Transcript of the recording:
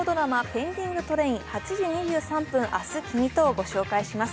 「ペンディングトレイン―８時２３分、明日君と」をご紹介します。